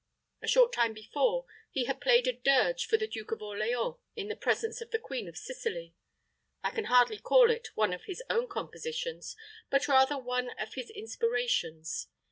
A short time before, he had played a dirge for the Duke of Orleans in the presence of the Queen of Sicily I can hardly call it one of his own compositions, but rather one of his inspirations.